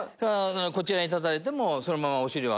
こちらに立たれてもそのままお尻は。